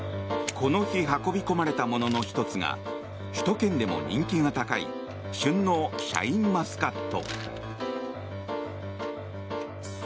この日運び込まれたものの１つが首都圏でも人気が高い旬のシャインマスカット。